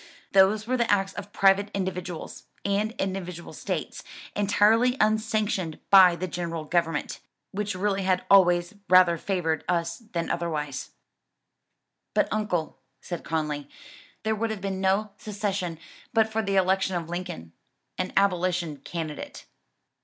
"Those were the acts of private individuals, and individual states, entirely unsanctioned by the general government, which really had always rather favored us than otherwise." "But uncle," said Conly, "there would have been no secession but for the election of Lincoln, an abolition candidate."